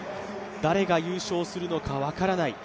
誰が優勝するのか分からない。